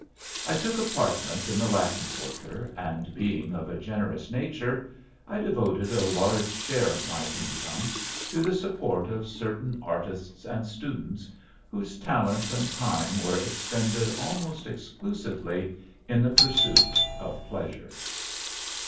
I took apartments in the Latin Quarter, and, being of a generous nature, I devoted a large share of my income to the support of certain artists and students whose talents and time were expended almost exclusively in the pursuit of pleasure.